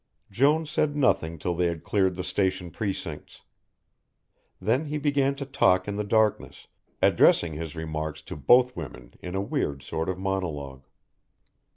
Jones said nothing till they had cleared the station precincts. Then he began to talk in the darkness, addressing his remarks to both women in a weird sort of monologue.